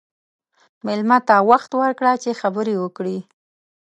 مېلمه ته وخت ورکړه چې خبرې وکړي.